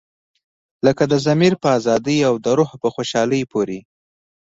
لکه د ضمیر په ازادۍ او د روح په خوشحالۍ پورې.